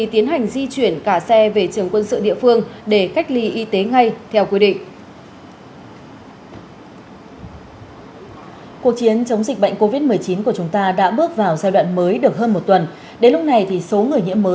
tiến hành di chuyển cả xe về trường quân sự địa phương để cách ly y tế ngay theo quy định